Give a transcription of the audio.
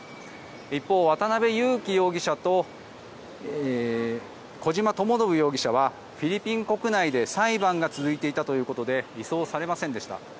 一方、渡邉優樹容疑者と小島智信容疑者はフィリピン国内で裁判が続いていたということで移送されませんでした。